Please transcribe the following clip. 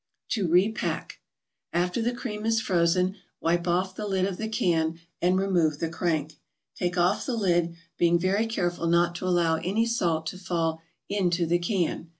TO REPACK After the cream is frozen, wipe off the lid of the can and remove the crank; take off the lid, being very careful not to allow any salt to fall into the can.